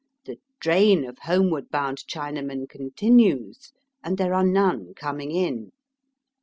The drain of homeward bound Chinamen continues, and there are none coming in.